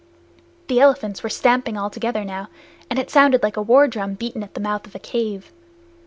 The elephants were stamping all together now, and it sounded like a war drum beaten at the mouth of a cave.